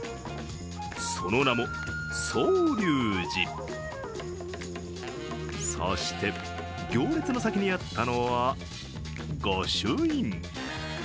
その名も、宗隆寺、そして行列の先にあったのは御朱印。